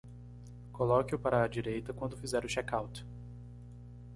Coloque-o para a direita quando fizer o check out